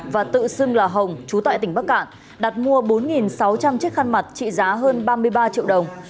và tự xưng là hồng chú tại tỉnh bắc cạn đặt mua bốn sáu trăm linh chiếc khăn mặt trị giá hơn ba mươi ba triệu đồng